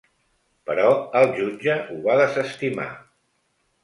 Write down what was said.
Però el jutge ho va desestimar.